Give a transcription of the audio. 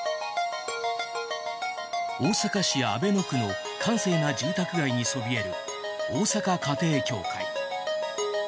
大阪市阿倍野区の閑静な住宅街にそびえる大阪家庭教会。